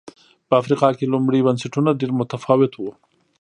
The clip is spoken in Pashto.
په افریقا کې لومړي بنسټونه ډېر متفاوت و